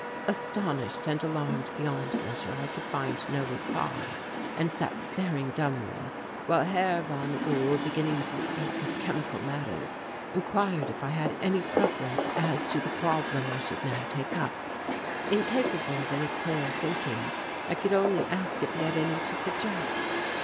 Astonished and alarmed beyond measure I could find no reply and sat staring dumbly, while Herr von Uhl, beginning to speak of chemical matters, inquired if I had any preference as to the problem I should now take up. Incapable of any clear thinking I could only ask if he had any to suggest.